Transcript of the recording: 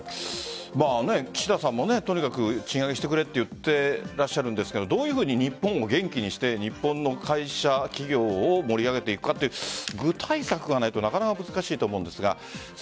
岸田さんもとにかく賃上げしてくれと言ってらっしゃるんですがどういうふうに日本を元気にして日本の会社企業を盛り上げていくかって具体策がないとなかなか難しいと思うんですが。